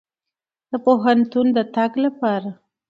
د پوهنتون د تګ لپاره.